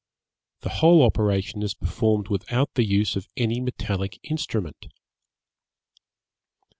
The whole operation is performed without the use of any metallic instrument.